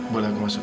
boleh aku masuk